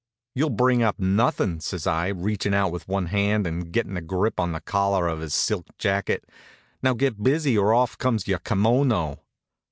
"You'll bring up nothin'," says I, reachin' out with one hand and gettin' a grip on the collar of his silk jacket. "Now get busy, or off comes your kimono."